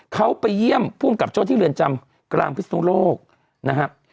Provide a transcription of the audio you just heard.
เขาไปเยี่ยมผู้กำกับโจ๊กที่เรือนจำกรามพิษโนโลกนะครับ